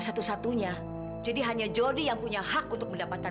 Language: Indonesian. sampai jumpa di video selanjutnya